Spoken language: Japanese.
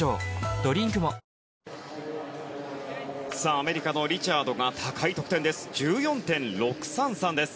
アメリカのリチャードが高い得点です。１４．６３３です。